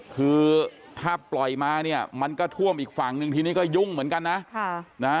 คือถ้าปล่อยมาเนี่ยมันก็ท่วมอีกฝั่งนึงทีนี้ก็ยุ่งเหมือนกันนะ